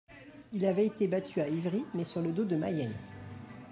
Il avait été battu à Ivry, mais sur le dos de Mayenne.